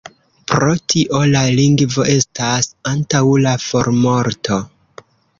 Pro tio la lingvo estas antaŭ la formorto.